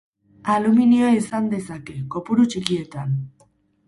Aluminioa izan dezake, kopuru txikietan.